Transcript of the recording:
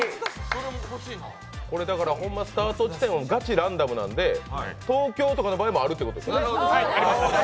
ホンマ、スタート地点はガチランダムなんで、東京とかの場合もあるってことですね。